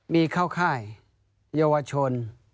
มีเข้าค่ายเยาวชน